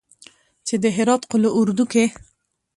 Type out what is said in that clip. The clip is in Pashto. چې د هرات قول اردو کې